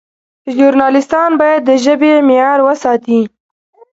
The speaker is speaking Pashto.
ژورنالیستان باید د ژبې معیار وساتي.